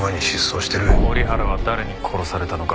折原は誰に殺されたのか。